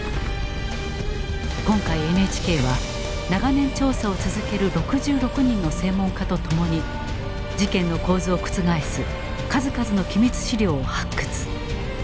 今回ＮＨＫは長年調査を続ける６６人の専門家と共に事件の構図を覆す数々の機密資料を発掘。